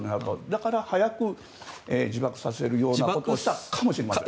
だから早く自爆させるようなことをしたかもしれません。